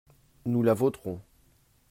Nous la voterons.